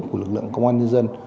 của lực lượng công an nhân dân